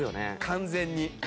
完全に。